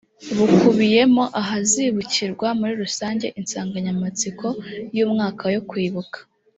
bukubiyemo ahazibukirwa muri rusange insanganyamatsiko y ‘umwaka yo kwibuka.